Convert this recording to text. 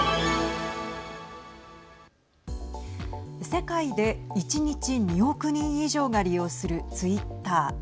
世界で１日２億人以上が利用するツイッター。